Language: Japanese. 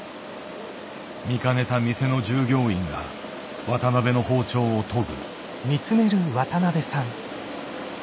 見かねた店の従業員が渡辺の包丁を研ぐ。